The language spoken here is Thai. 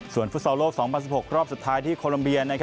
ส่วนฟุตซอลโลก๒๐๑๖รอบสุดท้ายที่โคลัมเบีย